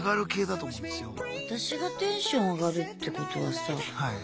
私がテンション上がるってことはさ。